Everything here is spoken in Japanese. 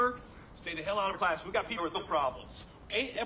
えっ？